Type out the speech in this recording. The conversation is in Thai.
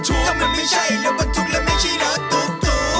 ถ้ามันไม่ใช่แล้วเป็นทุกแล้วไม่ใช่รถตุ๊ก